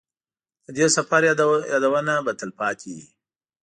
د دې سفر یادونه به تلپاتې وي.